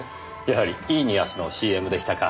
やはりイーニアスのＣＭでしたか。